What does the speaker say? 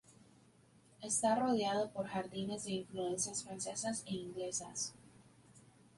Está rodeado por jardines de influencias francesas e inglesas.